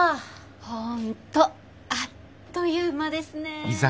本当あっという間ですねえ。